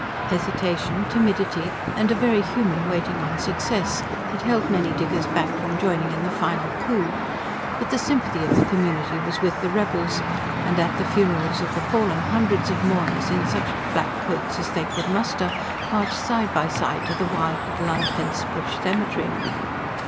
Hesitation, timidity, and a very human waiting on success had held many diggers back from joining in the final coup; but the sympathy of the community was with the rebels, and at the funerals of the fallen, hundreds of mourners, in such black coats as they could muster, marched side by side to the wild little unfenced bush cemetery.